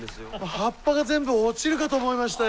葉っぱが全部落ちるかと思いましたよ。